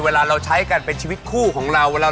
เวลาเราใช้กันเป็นชีวิตคู่ของเรา